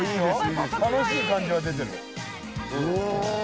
楽しい感じが出てる。